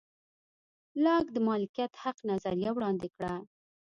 لاک د مالکیت حق نظریه وړاندې کړه.